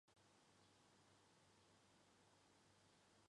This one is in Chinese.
还拿了脚架拍环景